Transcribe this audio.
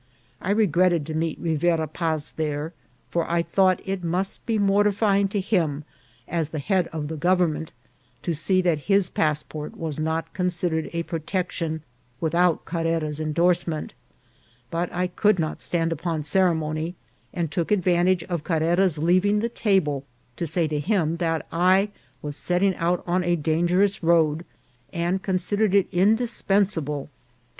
I regretted to meet Rivera Paz there, for I thought it must be mortifying to him, as the head of the govern ment, to see that his passport was not considered a pro tection without Carrera's endorsement ; but I couid not stand upon ceremony, and took advantage of Carrera's leaving the table to say to him that I was setting out on a dangerous road, and considered it indispensable to for VOL.